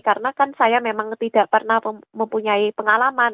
karena kan saya memang tidak pernah mempunyai pengalaman